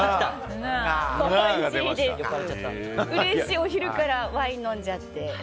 お昼からワイン飲んじゃって。